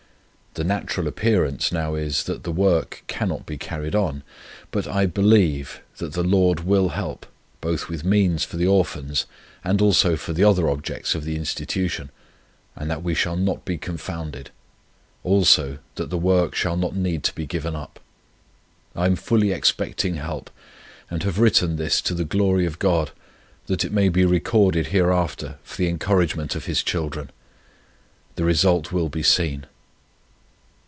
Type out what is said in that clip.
The natural appearance now is, that the work cannot be carried on. But I BELIEVE that the Lord will help, both with means for the Orphans and also for the other Objects of the Institution, and that we shall not be confounded; also, that the work shall not need to be given up. I am fully expecting help, and have written this to the glory of God, that it may be recorded hereafter for the encouragement of His children. The result will be seen.